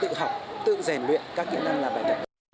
tự học tự rèn luyện các kỹ năng làm bài tập